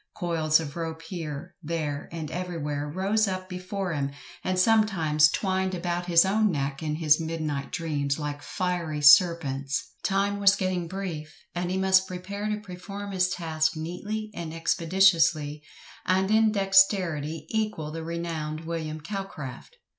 Coils of rope here, there, and everywhere rose up before him, and sometimes twined about his own neck in his midnight dreams, like fiery serpents. Time was getting brief, and he must prepare to perform his task neatly and expeditiously, and in dexterity equal the renowned William Calcraft.